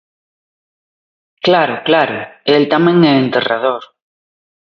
Claro, claro, el tamén é enterrador.